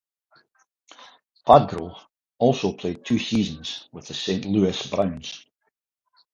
Badgro also played two seasons with the Saint Louis Browns.